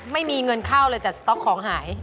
ไม่มีเงินเข้าเลยแต่สต๊อกของหาย